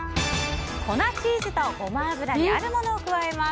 粉チーズとゴマ油にあるものを加えます。